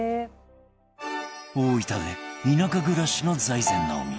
大分で田舎暮らしの財前直見